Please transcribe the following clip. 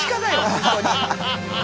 本当に。